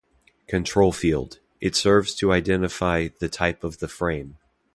Control field - it serves to identify the type of the frame.